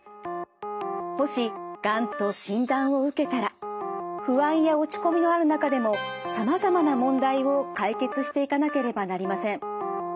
もしがんと診断を受けたら不安や落ち込みのある中でもさまざまな問題を解決していかなければなりません。